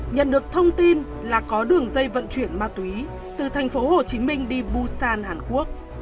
nhận được thông tin là có đường dây vận chuyển ma túy từ thành phố hồ chí minh đi busan hàn quốc